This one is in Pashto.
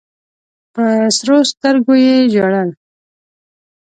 په سرو سترګو یې ژړل.